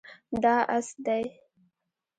دا اس دی